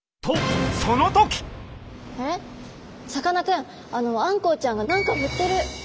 さかなクンあんこうちゃんが何かふってる！